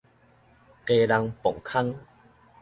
基隆磅空